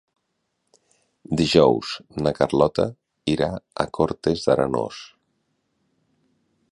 Dijous na Carlota irà a Cortes d'Arenós.